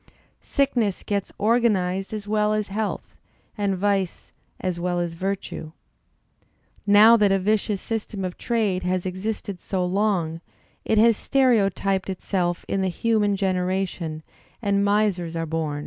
Sickness gets organized as well as health, and vice as well as virtue. Now that a vicious system of trade has existed so long, it has stereotyped itself in the human generation, and misers are bom.